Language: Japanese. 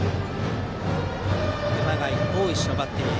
熊谷と大石のバッテリー。